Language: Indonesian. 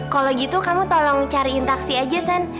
kalau gitu kamu tolong cariin taksi aja san